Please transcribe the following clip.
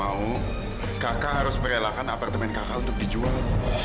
mau kakak harus merelakan apartemen kakak untuk dijual